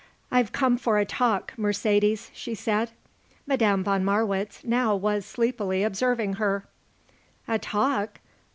"I've come for a talk, Mercedes," she said. Madame von Marwitz now was sleepily observing her. "A talk!